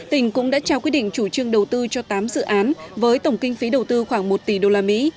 tỉnh cũng đã trao quyết định chủ trương đầu tư cho tám dự án với tổng kinh phí đầu tư khoảng một tỷ usd